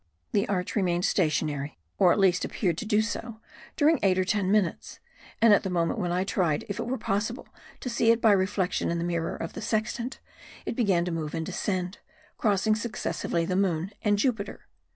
The arch remained stationary, or at least appeared to do so, during eight or ten minutes; and at the moment when I tried if it were possible to see it by reflection in the mirror of the sextant, it began to move and descend, crossing successively the Moon and Jupiter.